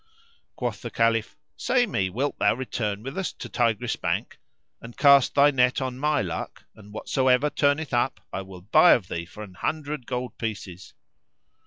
Quoth the Caliph, "Say me, wilt thou return with us to Tigris' bank and cast thy net on my luck, and whatsoever turneth up I will buy of thee for an hundred gold pieces?"